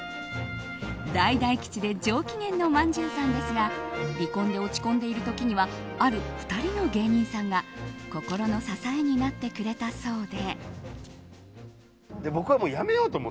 大大吉で上機嫌のまんじゅうさんですが離婚で落ち込んでいる時にはある２人の芸人さんが心の支えになってくれたそうで。